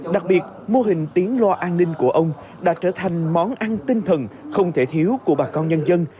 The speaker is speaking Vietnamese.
đặc biệt mô hình tiếng lo an ninh của ông đã trở thành món ăn tinh thần không thể thiếu của bà con nhân dân